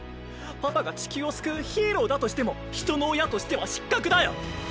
パパが地球を救うヒーローだとしても人の親としては失格だよ！